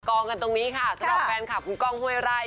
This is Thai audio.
กันตรงนี้ค่ะสำหรับแฟนคลับคุณก้องห้วยไร่